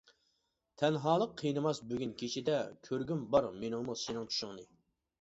تەنھالىق قىينىماس بۈگۈن كېچىدە، كۆرگۈم بار مېنىڭمۇ سېنىڭ چۈشۈڭنى.